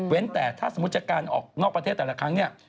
เบนแต่ถ้าสมมติกันออกนอกประเทศแต่ละครั้งเนี่ย